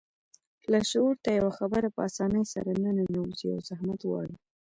لاشعور ته يوه خبره په آسانۍ سره نه ننوځي او زحمت غواړي.